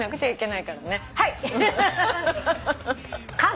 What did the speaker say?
はい。